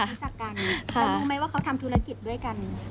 รู้จักกันแล้วรู้ไหมว่าเขาทำธุรกิจด้วยกัน